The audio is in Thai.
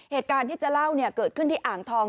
เหตุการณ์ที่จะเล่าเกิดขึ้นที่อ่างทอง